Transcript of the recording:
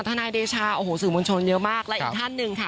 นายเดชาโอ้โหสื่อมวลชนเยอะมากและอีกท่านหนึ่งค่ะ